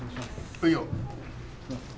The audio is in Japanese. はいよ。